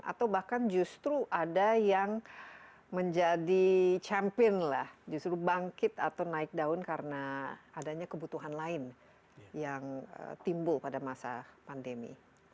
atau bahkan justru ada yang menjadi champion lah justru bangkit atau naik daun karena adanya kebutuhan lain yang timbul pada masa pandemi